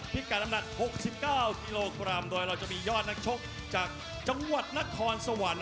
การน้ำหนัก๖๙กิโลกรัมโดยเราจะมียอดนักชกจากจังหวัดนครสวรรค์